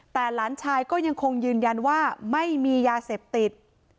แต่หลานชายก็ยังคงยืนยันว่าไม่มียาเสพติด